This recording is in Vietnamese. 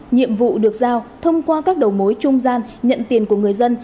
nhiệm vụ được giao thông qua các đầu mối trung gian nhận tiền của người dân